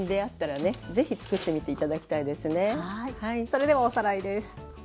それではおさらいです。